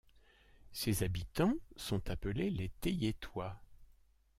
Ses habitants sont appelés les Teilhetois.